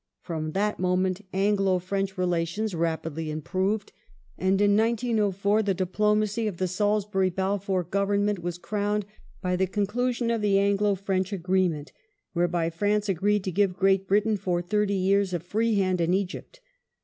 From that moment Anglo French relations rapidly improved, and in 1904 the diplomacy of the Salisbury Balfour Government was crowned by the conclusion of the Anglo French Agreement, whereby France agreed to give Great Britain for thirty years a free hand in Egypt.